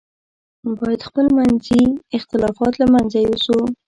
باید خپل منځي اختلافات له منځه یوسو.